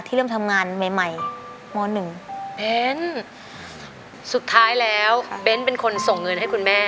เริ่มทำงานใหม่ใหม่ม๑เบ้นสุดท้ายแล้วเบ้นเป็นคนส่งเงินให้คุณแม่